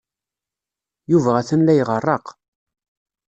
Yuba atan la iɣerreq.